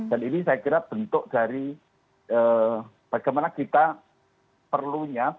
dan ini saya kira bentuk dari bagaimana kita perlunya pengetahuan pengetahuan modern